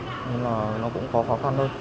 nhưng mà nó cũng có khó khăn hơn